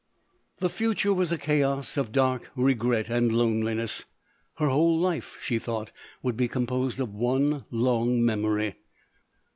The future was a chaos of dark regret and loneliness ; her whole life, she thought, would be composed of one long me mory.